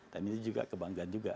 dan ini juga kebanggaan juga